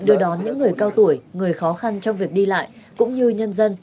đưa đón những người cao tuổi người khó khăn trong việc đi lại cũng như nhân dân